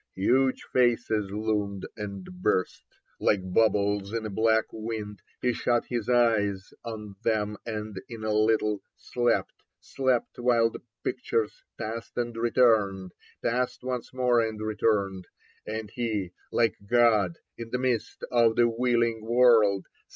Huge faces loomed and burst, Like bubbles in a black wind. He shut his eyes on them and in a httle Slept ; slept, while the pictures Passed and returned, passed once more and returned. And he, Hke God in the midst of the wheehng world.